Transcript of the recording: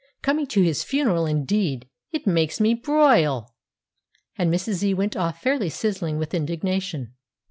Coming to his funeral, indeed! It makes me broil!" And Mrs. Z. went off fairly sizzling with indignation.